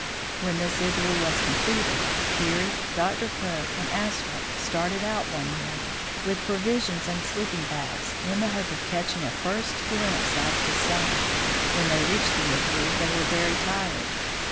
When this igloo was completed, Peary, Dr. Cook, and Astrup started out one morning, with provisions and sleep ing bags, in the hope of catching a first glimpse of the sun. When they reached the igloo they were very tired.